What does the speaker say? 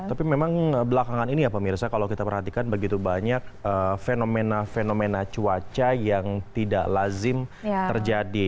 tapi memang belakangan ini ya pemirsa kalau kita perhatikan begitu banyak fenomena fenomena cuaca yang tidak lazim terjadi